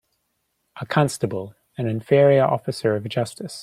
A constable an inferior officer of justice